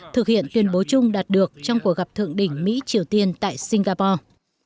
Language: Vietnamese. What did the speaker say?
thực hiện tuyên bố chung đạt được trong cuộc gặp thượng đỉnh mỹ triều tiên tại singapore